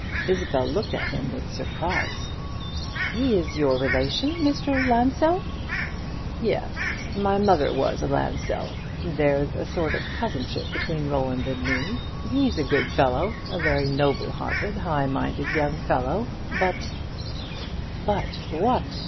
Isabel looked at him with surprise. "He is your relation Mr. Lansdell?" "Yes. My mother was a Lansdell. There's a sort of cousin ship between Roland and me. He's a good fellow a very noble hearted, high minded young fellow; but " But what?